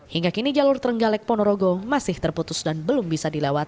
hingga kini jalur trenggalek ponorogo masih terputus dan belum bisa dilewati